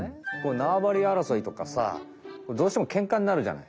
なわばりあらそいとかさどうしてもケンカになるじゃない。